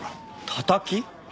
タタキ？